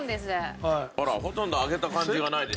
ほとんど揚げた感じがないです。